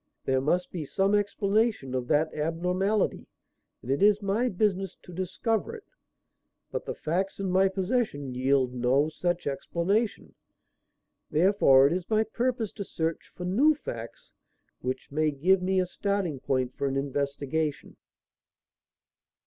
There must be some explanation of that abnormality and it is my business to discover it. But the facts in my possession yield no such explanation. Therefore it is my purpose to search for new facts which may give me a starting point for an investigation."